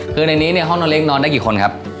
คือในนี้ห้องนอนเล็กนอนได้กี่คนครับ